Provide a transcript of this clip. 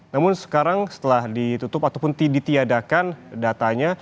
namun sekarang setelah ditutup ataupun ditiadakan datanya